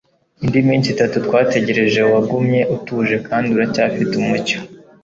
indi minsi itatu twategereje, wagumye utuje kandi uracyafite umucyo